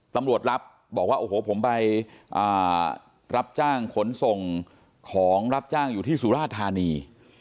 ตำรวจรับบอกว่าโอ้โหผมไปรับจ้างขนส่งของรับจ้างอยู่ที่สุราธานี